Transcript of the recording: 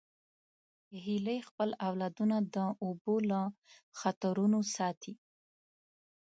هیلۍ خپل اولادونه د اوبو له خطرونو ساتي